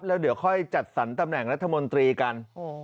แล้วเดี๋ยวค่อยจัดสรรตำแหน่งรัฐมนตรีกัน